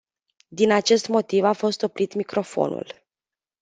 Din acest motiv a fost oprit microfonul.